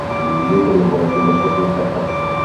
Lekin o'z bolasidan boshqasini shafqat